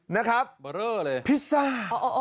นะครับพิซซ่า